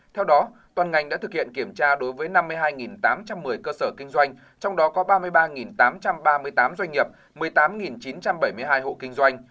theo đó toàn ngành đã thực hiện kiểm tra đối với năm mươi hai tám trăm một mươi cơ sở kinh doanh trong đó có ba mươi ba tám trăm ba mươi tám doanh nghiệp một mươi tám chín trăm bảy mươi hai hộ kinh doanh